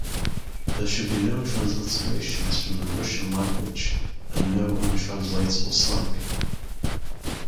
There should be no transliterations from the Russian language and no untranslatable slang.